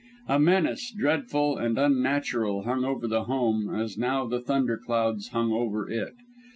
A menace, dreadful and unnatural, hung over that home as now the thunder clouds hung over it.